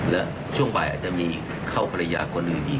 แล้วช่วงบ่ายอาจจะมีเข้าภรรยาคนอื่นอีก